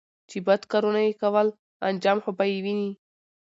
چې بد کارونه يې کول انجام خو به یې ویني